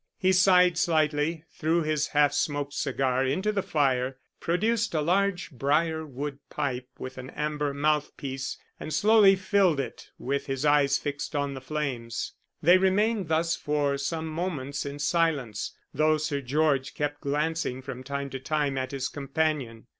He sighed slightly, threw his half smoked cigar into the fire, produced a large brierwood pipe with an amber mouthpiece, and slowly filled it, with his eyes fixed on the flames. They remained thus for some moments in silence, though Sir George kept glancing from time to time at his companion.